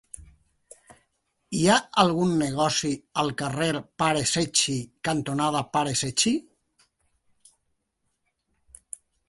Hi ha algun negoci al carrer Pare Secchi cantonada Pare Secchi?